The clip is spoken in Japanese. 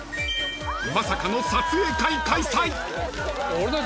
［まさかの撮影会開催］